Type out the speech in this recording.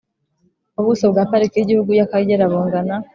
Ubuso bwa Pariki y Igihugu y Akagera bungana